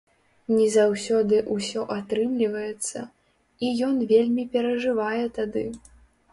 Не заўсёды ўсё атрымліваецца, і ён вельмі перажывае тады.